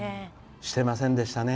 してませんでしたね。